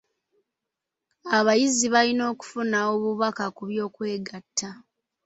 Abayizi bayina okufuna obubaka ku by'okwegatta.